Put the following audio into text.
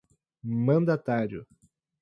mandatário